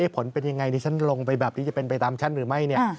ผลเป็นยังไงดิฉันลงไปแบบนี้จะเป็นไปตามชั้นหรือไม่เนี่ย